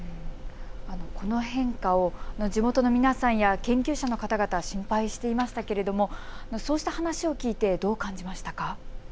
この変化を地元の皆さんや研究者の方々、心配していましたけれどもそうした話を聞いてどう感じましたか。